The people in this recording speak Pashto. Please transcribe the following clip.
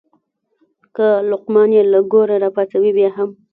که لقمان یې له ګوره راپاڅوې بیا هم.